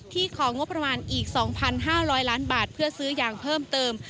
ของงบประมาณอีก๒๕๐๐ล้านบาทเพื่อซื้อยางเพิ่มเติม